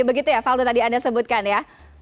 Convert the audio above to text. begitu ya valdo tadi anda sebutkan ya